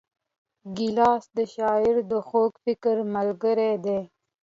ګیلاس د شاعر د خوږ فکر ملګری دی.